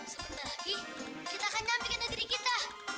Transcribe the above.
sebentar lagi kita akan nyampe ke negeri kita